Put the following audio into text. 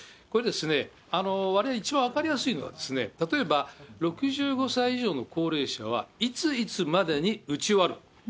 これ、われわれ一番分かりやすいのは、例えば６５歳以上の高齢者は、いついつまでに打ち終わる。